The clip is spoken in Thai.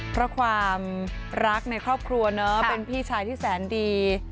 เพราะความรักในครอบครัวเนอะเป็นพี่ชายที่แสนดี